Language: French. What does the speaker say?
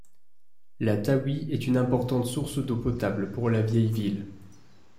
La Tawi est une importante source d'eau potable pour la vieille ville.